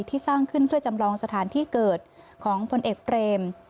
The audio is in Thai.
สร้างขึ้นเพื่อจำลองสถานที่เกิดของผลเอกเปรม